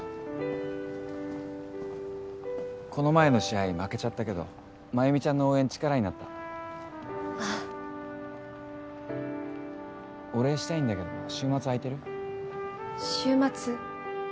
この前の試合負けちゃったけど繭美ちゃんの応援力になったああお礼したいんだけど週末空いてる？週末？